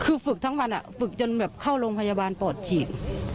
คือฝึกทั้งวันฝึกจนแบบเข้าโรงพยาบาลปอดฉีด